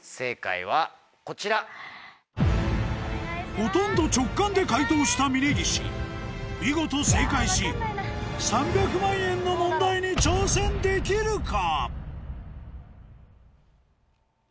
ほとんど直感で解答した峯岸見事正解し３００万円の問題に挑戦できるか？